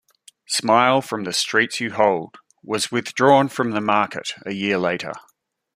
"Smile From the Streets You Hold" was withdrawn from the market a year later.